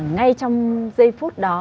ngay trong giây phút đó